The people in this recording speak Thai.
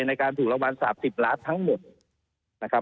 ในการถูกรางวัล๓๐ล้านทั้งหมดนะครับ